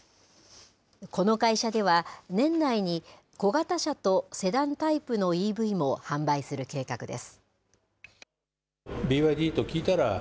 この会社では、年内に小型車とセダンタイプのＥＶも販売する計画です。